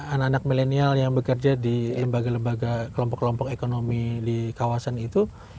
anak anak milenial yang bekerja di lembaga lembaga kelompok kelompok ekonomi di kawasan itu